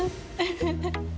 フフフ。